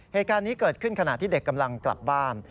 เหตุการณ์นี้เกิดขึ้นขณะที่เด็กกำลังกลับบ้าน